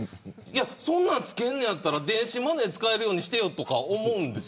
そんなん付けるんだったら電子マネー使えるようにしてよとか思うんです。